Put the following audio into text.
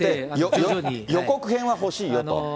予告編は欲しいよと。